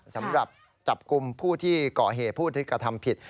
จะจับกลุ่มผู้ที่เกาะเหตุผู้ที่กระทำผิด